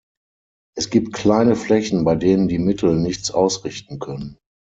Es gibt kleine Flächen, bei denen die Mittel nichts ausrichten können.